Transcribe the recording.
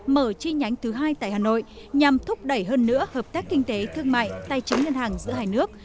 mở chi nhánh thứ hai tại hà nội nhằm thúc đẩy hơn nữa hợp tác kinh tế thương mại tài chính ngân hàng giữa hai nước